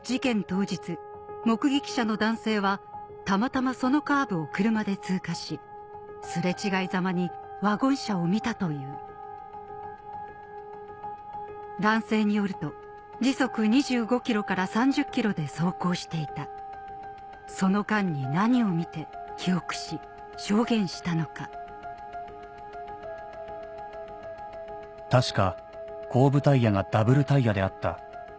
当日目撃者の男性はたまたまそのカーブを車で通過し擦れ違いざまにワゴン車を見たという男性によるとで走行していたその間に何を見て記憶し証言したのか「確か後部タイヤがダブルタイヤであった」